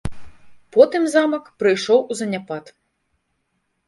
Потым замак прыйшоў у заняпад.